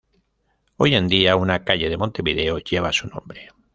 Hoy en día, una calle de Montevideo lleva su nombre.